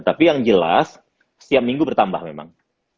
tapi yang jelas setiap minggu bertambah memang